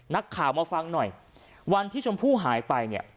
นักข่าวมาฟังหน่อยวันที่ชมพู่หายไปเนี่ย